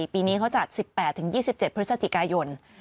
ปีนี้เขาจัด๑๘๒๗พฤศจิกายน